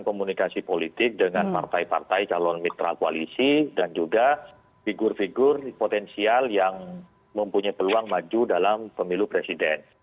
komunikasi politik dengan partai partai calon mitra koalisi dan juga figur figur potensial yang mempunyai peluang maju dalam pemilu presiden